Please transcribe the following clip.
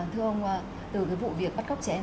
thưa ông từ vụ việc bắt cóc trẻ em